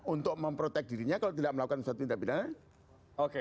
untuk memprotek dirinya kalau tidak melakukan pidana pidana